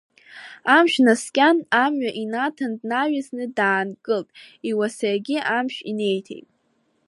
Амшә наскьан амҩа инаҭан, днаҩсны даангылт, иуасагьы амшә инеиҭеит.